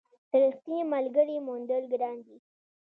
د رښتیني ملګري موندل ګران دي.